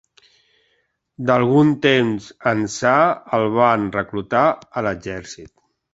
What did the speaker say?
D'algun temps ençà, el van reclutar a l'exèrcit.